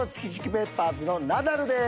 ペッパーズのナダルです。